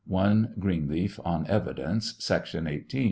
(I Greenleaf on Evidence, sec.